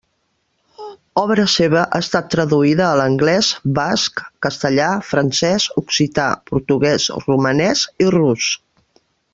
Obra seva ha estat traduïda a l'anglès, basc, castellà, francès, occità, portuguès, romanès i rus.